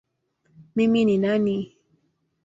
Mimi ni nani?